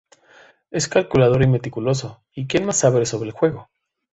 Es calculador y meticuloso, y quien más sabe sobre el juego.